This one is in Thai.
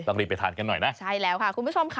รีบไปทานกันหน่อยนะใช่แล้วค่ะคุณผู้ชมค่ะ